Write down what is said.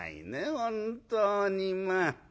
本当にまあ。